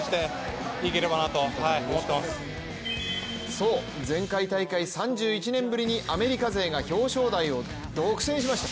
そう、前回大会、３１年ぶりにアメリカ勢が表彰台を独占しました。